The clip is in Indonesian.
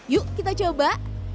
yuk kita coba